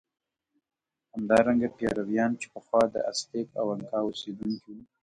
همدارنګه پیرویان چې پخوا د ازتېک او انکا اوسېدونکي وو.